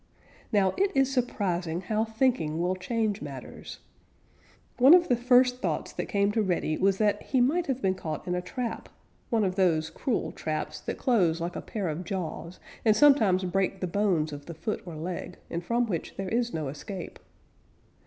Now it is surprising how thinking will change matters. One of the first thoughts that came to Reddy was that he might have been caught in a trap, one of those cruel traps that close like a pair of jaws and sometimes break the bones of the foot or leg, and from which there is no escape.